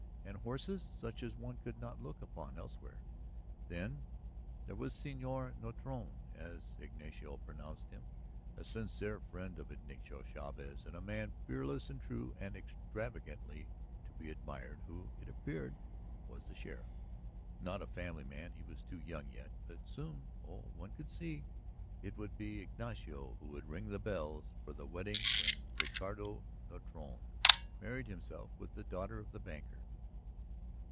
And horses such as one could not look upon elsewhere. Then there was Señor Nortone, as Ignacio pronounced him; a sincere friend of Ignacio Chavez and a man fearless and true and extravagantly to be admired, who, it appeared, was the sheriff. Not a family man; he was too young yet. But soon; oh, one could see! It would be Ignacio who would ring the bells for the wedding when Roderico Nortone married himself with the daughter of the banker.